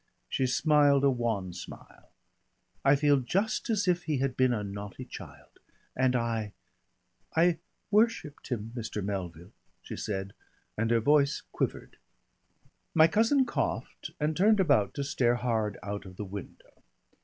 She smiled a wan smile. "I feel just as if he had been a naughty child. And I I worshipped him, Mr. Melville," she said, and her voice quivered. My cousin coughed and turned about to stare hard out of the window.